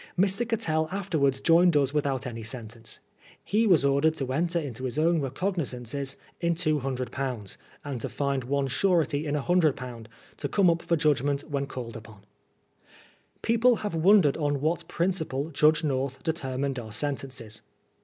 Mr. Cattell afterwards joined us without any sentence. He was ordered to THE SECOND TRIAL. 107 enter into his own recognisances in £200, and to find one surety in £100, to come up for judgment when called upon. People have wondered on what principle Judge North determined our sentences.